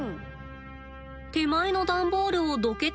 手前の段ボールをどけてみると。